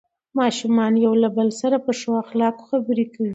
ماشومان له یو بل سره په ښو اخلاقو خبرې کوي